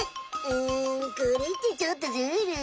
うんこれってちょっとズル。